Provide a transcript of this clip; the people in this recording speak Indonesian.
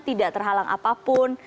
tidak terhalang apapun